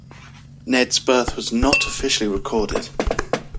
Ned's birth was not officially recorded.